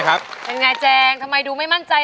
ใครจะเพื่อนนี้เมื่อต้องแล้ว